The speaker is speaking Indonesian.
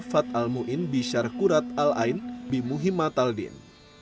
fat al muin bishar qurat al ain bimuhimat al din